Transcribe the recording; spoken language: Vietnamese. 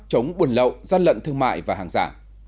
chống buồn lậu gian lận thương mại và hàng giả